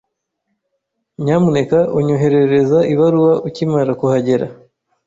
Nyamuneka onyoherereza ibaruwa ukimara kuhagera.